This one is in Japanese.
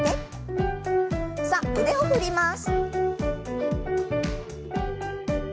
さあ腕を振ります。